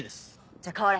じゃあ代われ。